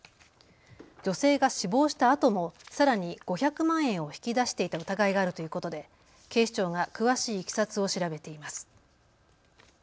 女性が死亡したあともさらに５００万円を引き出していた疑いがあるということで警視庁が詳しいいきさつを調べています。